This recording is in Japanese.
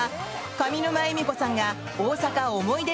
上沼恵美子さんが大阪思い出